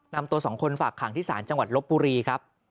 นำตัวสองคนฝากขังที่ศาลจังหวัดลบบุรีครับ